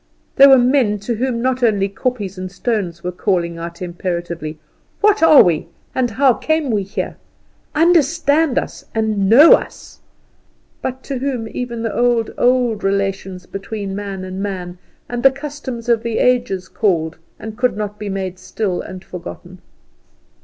There were men to whom not only kopjes and stones were calling out imperatively, "What are we, and how came we here? Understand us, and know us;" but to whom even the old, old relations between man and man, and the customs of the ages called, and could not be made still and forgotten.